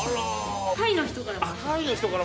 タイの人から。